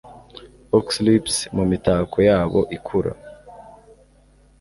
Oxlips mumitako yabo ikura